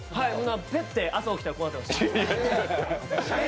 ぺって、朝起きたら、こうなってました。